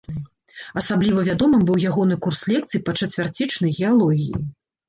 Асабліва вядомым быў ягоны курс лекцый па чацвярцічнай геалогіі.